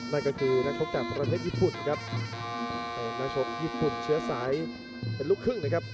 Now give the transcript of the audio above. นั่นก็คือนักชกจากประเทศญี่ปุ่นครับเป็นนักชกญี่ปุ่นเชื้อสายเป็นลูกครึ่งนะครับ